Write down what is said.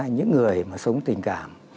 những người mà sống tình cảm